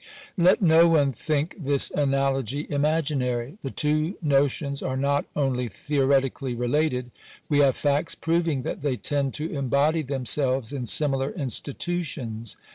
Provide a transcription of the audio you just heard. Let no one think this analogy imaginary. The two notions are not only theoretically related ; we have facts proving that they tend to embody themselves in similar institutions.